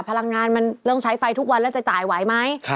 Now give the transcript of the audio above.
พลังงานมันต้องใช้ไฟทุกวันแล้วจะจ่ายไหวไหม